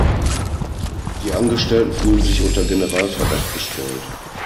Die Angestellten fühlen sich unter Generalverdacht gestellt.